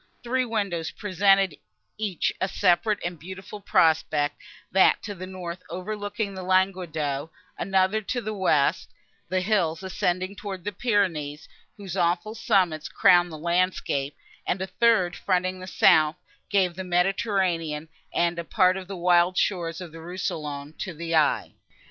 Three windows presented each a separate and beautiful prospect; that to the north, overlooking Languedoc; another to the west, the hills ascending towards the Pyrenees, whose awful summits crowned the landscape; and a third, fronting the south, gave the Mediterranean, and a part of the wild shores of Rousillon, to the eye.